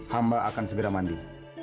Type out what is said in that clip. hamba akan segera mandi